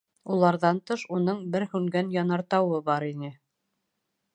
Уларҙан тыш, уның бер һүнгән янартауы бар ине.